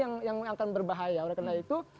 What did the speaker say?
yang akan berbahaya oleh karena itu